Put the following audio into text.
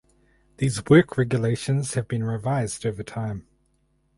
These work regulations have been revised over time.